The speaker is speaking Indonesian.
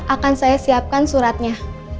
akan saya siapkan suratnya